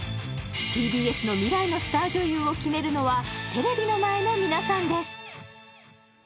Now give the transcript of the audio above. ＴＢＳの未来のスター女優を決めるのは、テレビの前の皆さんです。